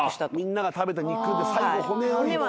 みんなが食べた肉で最後骨をいくから。